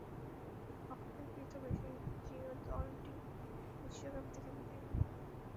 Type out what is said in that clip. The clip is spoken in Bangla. অপেক্ষাকৃত বেশি প্রিয় দলটি বিশ্বকাপ থেকে বিদায় নিলো।